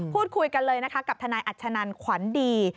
พูดคุยกันเลยกับทนายอัจฉนันควันดี